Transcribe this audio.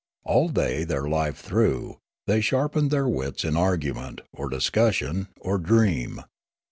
All day their life through, they sharpened their wits in argument, or discussion, or dream.